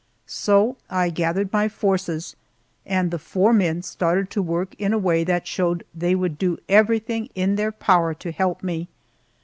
So I gathered my forces, and the four men started to work in a way that showed they would do everything in their power to help me.